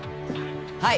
はい。